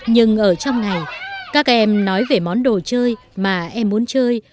nhưng ở trong này các em nói về món đồ chơi mà em muốn chơi